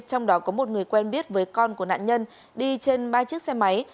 trong đó có một người quen biết với con của nạn nhân đi trên ba chiếc xe máy